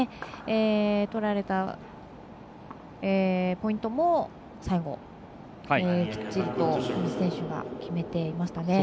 取られたポイントも最後、きっちりと上地選手が決めていましたね。